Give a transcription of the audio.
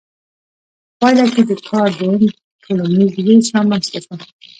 په پایله کې د کار دویم ټولنیز ویش رامنځته شو.